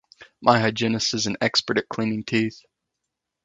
My hygienist is an expert at cleaning teeth